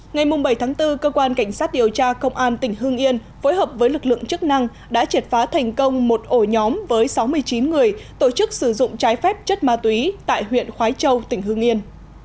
ngày bảy tháng bốn cơ quan cảnh sát điều tra công an tỉnh hương yên phối hợp với lực lượng chức năng đã triệt phá thành công một ổ nhóm với sáu mươi chín người tổ chức sử dụng trái phép chất ma túy tại huyện khói châu tỉnh hương yên